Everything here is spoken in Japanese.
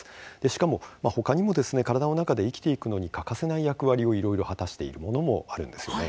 しかもほかにも体の中で生きていくのに欠かせない役割をいろいろ果たしているものもあるんですね。